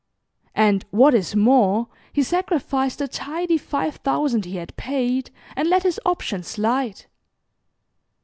And, what is more, he sacrificed the tidy five thousand he had paid, and let his option slide.